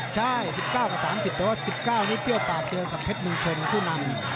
ใช่๑๙ปี๓๐แต่ว่า๑๙นี้เตี้ยวป่าเตือนกับเพชรมึงชนทุนัน